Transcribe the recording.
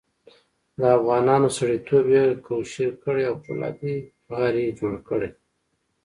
د افغانانو سړیتوب یې کوشیر کړی او فولادي غر یې جوړ کړی.